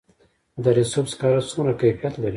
د دره صوف سکاره څومره کیفیت لري؟